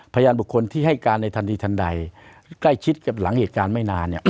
พยานบุคคลที่ให้การในทันทีทันใดใกล้ชิดกับหลังเหตุการณ์ไม่นานเนี่ย